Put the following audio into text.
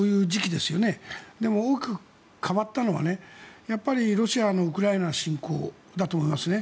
でも、多く変わったのはロシアはウクライナ侵攻だと思いますね。